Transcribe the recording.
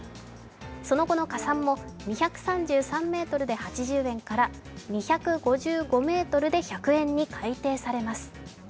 その後の加算も、２３３ｍで８０円から２５５ｍで１００円に改定されます。